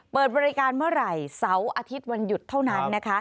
เปิดบริการเมื่อไหร่เสาร์อาทิตย์วันหยุดเท่านั้นนะคะ